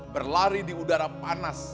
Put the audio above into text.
berlari di udara panas